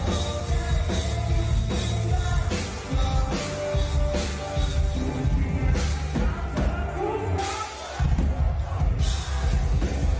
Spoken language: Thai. โอ้โหหน้าตากับท่าทางก็ได้มากเลยนะก็มันมากนะ